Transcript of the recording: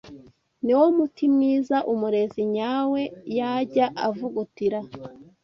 niwo muti mwiza umurezi nyawe yajya avugutira